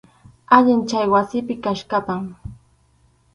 Allin chay wasipi kachkaspam.